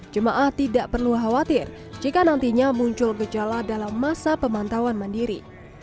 jemaah tidak perlu khawatir jika nantinya muncul gejala dalam masa pemantauan mandiri